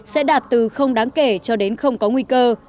sẽ đạt từ không đáng kể cho đến không có nguy cơ